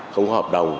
không có hợp đồng